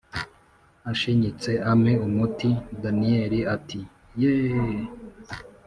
ashinyitse ampe umuti! daniel ati: yeeeeeh!